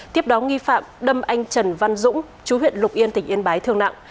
tiếp đó nghi phạm đâm anh trần văn dũng chú huyện lục yên tỉnh yên bái thương nặng